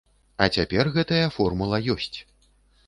А цяпер гэтая формула ёсць.